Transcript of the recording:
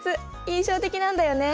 印象的なんだよね。